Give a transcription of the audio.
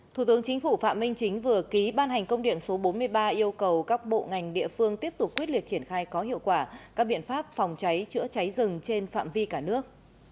thủ tướng chính phủ phạm minh chính vừa ký ban hành công điện số bốn mươi ba yêu cầu các bộ ngành địa phương tiếp tục quyết liệt triển khai có hiệu quả các biện pháp phòng cháy chữa cháy rừng trên phạm vi cả nước